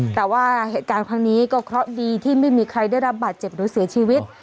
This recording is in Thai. แต่ว่าเหตุการณ์ครั้งนี้ก็เคราะห์ดีที่ไม่มีใครได้รับบาดเจ็บหรือเสียชีวิต